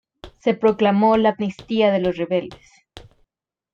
Se proclamó la amnistía de los rebeldes.